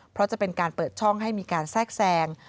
เพราะจะเป็นการเปิดช่องให้มีการแทรกแทรง